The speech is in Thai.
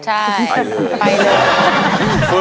ใช่ไปเลย